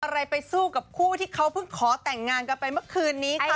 อะไรไปสู้กับคู่ที่เขาเพิ่งขอแต่งงานกันไปเมื่อคืนนี้ค่ะ